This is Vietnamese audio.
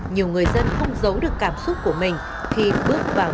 nhiều người dân không giấu được cảm xúc của mình khi bước vào năm mới